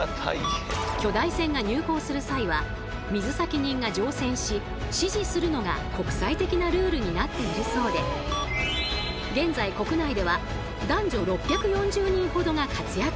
巨大船が入港する際は水先人が乗船し指示するのが国際的なルールになっているそうで現在国内では男女６４０人ほどが活躍中。